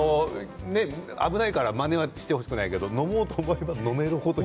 危ないからまねはしてほしくないけれども飲もうと思えば飲める程。